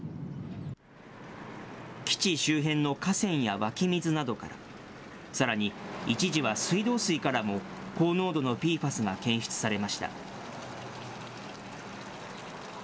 基地周辺の河川や湧き水などから、さらに一時は水道水からも、高濃度のＰＦＡＳが検出されました。